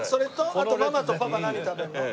あとママとパパ何食べるの？